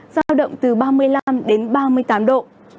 giao động từ ba mươi năm đến ba mươi tám độ